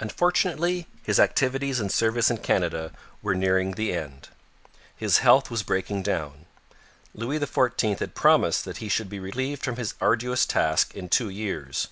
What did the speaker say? Unfortunately his activities and service in Canada were nearing their end. His health was breaking down. Louis XIV had promised that he should be relieved from his arduous task in two years.